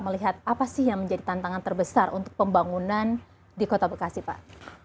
melihat apa sih yang menjadi tantangan terbesar untuk pembangunan di kota bekasi pak